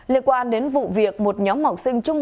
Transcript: liên quan đến vụ việc một nhóm học sinh trung